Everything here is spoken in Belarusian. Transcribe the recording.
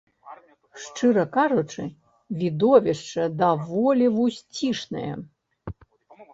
Шчыра кажучы, відовішча даволі вусцішнае.